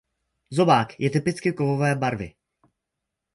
Zobák je typicky kovové barvy.